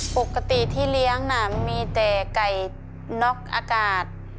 ปกติที่เลี้ยงน่ะมีแต่ไก่น็อกอากาศ